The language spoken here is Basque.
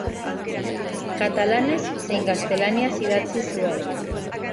Katalanez zein gaztelaniaz idatzi zuen.